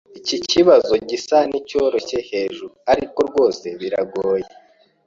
Iki kibazo gisa nkicyoroshye hejuru, ariko rwose biragoye.